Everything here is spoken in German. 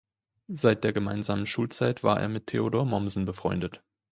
Seit der gemeinsamen Schulzeit war er mit Theodor Mommsen befreundet.